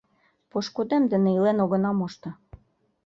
— Пошкудем дене илен огына мошто.